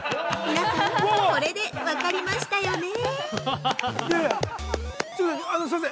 皆さんこれで分かりましたよね？